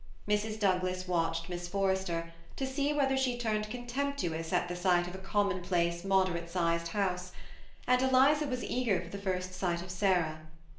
Mrs. Douglas Watched Miss Forrester, to see whether she turned contemptuous at the sight of a commonplace, moderate sized home ; and Eliza was eager for the first sight of Sarah.